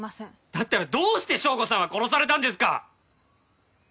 だったらどうして省吾さんは殺されたんですか！？